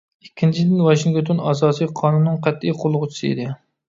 ئىككىنچىدىن، ۋاشىنگتون ئاساسىي قانۇننىڭ قەتئىي قوللىغۇچىسى ئىدى.